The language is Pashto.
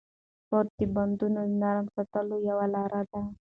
سپورت د بندونو نرم ساتلو یوه لاره ده.